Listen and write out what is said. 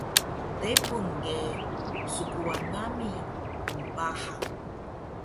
Repun ge skuwan nami knpahan